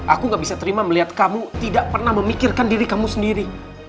aku gak bisa terima melihat kamu tidak pernah memikirkan diri kamu sendiri